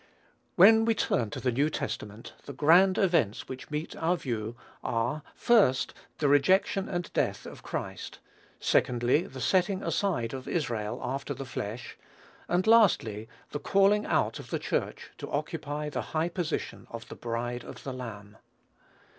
When we turn to the New Testament, the grand events which meet our view are, first, the rejection and death of Christ; secondly, the setting aside of Israel after the flesh; and, lastly, the calling out of the Church to occupy the high position of the bride of the Lamb.